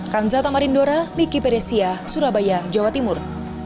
kan zatamarindora miki peresia surabaya jawa timur